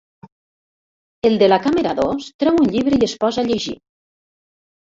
El de la càmera dos treu un llibre i es posa a llegir.